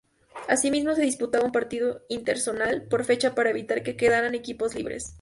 Asimismo, se disputaba un partido interzonal por fecha para evitar que quedaran equipos libres.